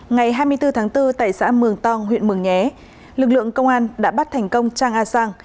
ngày hai mươi bốn tháng bốn tại xã mường tong huyện mường nhé lực lượng công an đã bắt thành công trang a sang